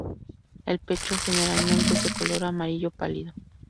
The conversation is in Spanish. El pecho generalmente es de color amarillo pálido.